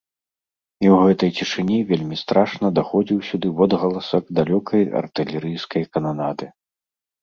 І ў гэтай цішыні вельмі страшна даходзіў сюды водгаласак далёкай артылерыйскай кананады.